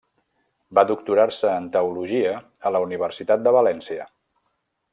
Va doctorar-se en teologia a la Universitat de València.